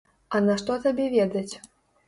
А нашто табе ведаць?